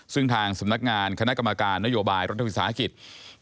ซึ่งทางสำนักงานคณะกรรมการนโยบายรถทางวิทยาศาสตร์ฯศาสตร์ฯศาสตร์ฯ